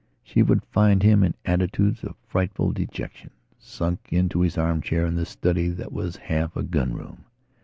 She would find him in attitudes of frightful dejection, sunk into his armchair in the study that was half a gun room.